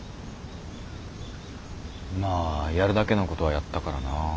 まあやるだけのことはやったからな。